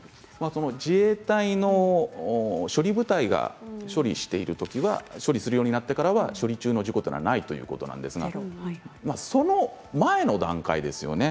自衛隊の処理部隊が処理しているときは処理するようになってからは処理中の事故はないということですがその前の段階ですよね。